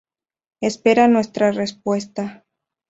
Espera nuestra respuesta.